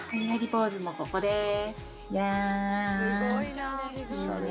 ここです。